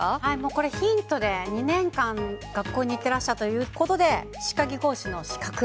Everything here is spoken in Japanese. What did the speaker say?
これヒントで２年間学校に行ってらっしゃったということで歯科技工士の資格。